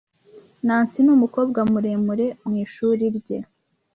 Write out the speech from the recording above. Nancy numukobwa muremure mu ishuri rye.